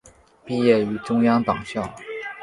毕业于中央党校。